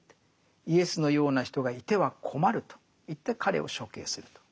イエスのような人がいては困るといって彼を処刑すると。